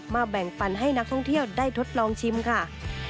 แบ่งปันให้นักท่องเที่ยวได้ทดลองชิมค่ะ